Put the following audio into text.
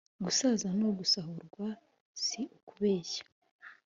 Gusaza ni ugusahurwa si ukubeshya